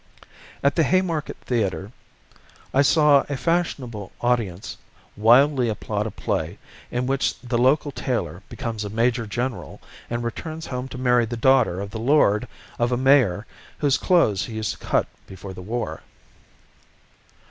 At the Haymarket Theatre I saw a fashionable audience wildly applaud a play in which the local tailor becomes a major general and returns home to marry the daughter of the lord of a mayor whose clothes he used to cut before the war.